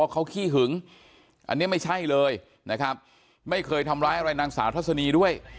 เขาขี้หึงอันนี้ไม่ใช่เลยนะครับไม่เคยทำร้ายอะไรนางสาวทัศนีด้วย